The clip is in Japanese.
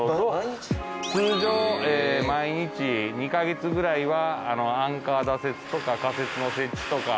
通常毎日２カ月ぐらいはアンカー打設とか仮設の設置とか。